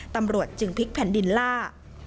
ตำรวจจึงพลิกแผ่นดินล่า